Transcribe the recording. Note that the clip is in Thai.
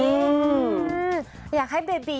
อื่มอยากให้เบบี